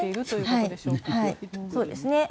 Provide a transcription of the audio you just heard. そうですね。